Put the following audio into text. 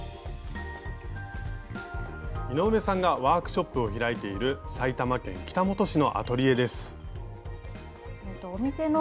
井上さんがワークショップを開いている埼玉県北本市のアトリエです。